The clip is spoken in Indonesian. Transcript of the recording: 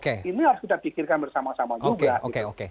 ini harus kita pikirkan bersama sama juga gitu